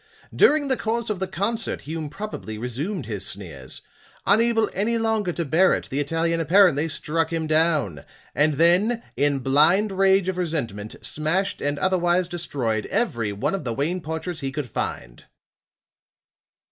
During the course of the concert, Hume probably resumed his sneers; unable any longer to bear it, the Italian apparently struck him down, and then in blind rage of resentment, smashed and otherwise destroyed every one of the Wayne portraits he could find."